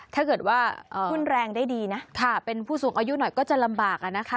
ถ้าเกิดว่าค่ะเป็นผู้สูงอายุหน่อยก็จะลำบากนะคะ